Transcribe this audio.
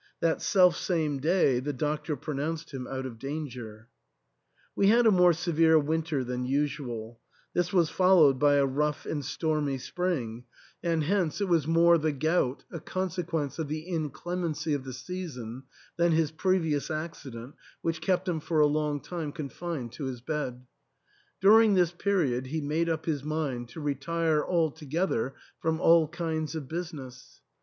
That selfsame day the doctor pronounced him out of danger. We had a more severe winter than usual ; this was followed by a rough and stormy spring ; and hence it 272 THE ENTAIL. was more the gout — ^a consequence of the inclemency of the season — than his previous accident which kept him for a long time confined to his bed During this period he made up his mind to retire altogether from all kinds of business.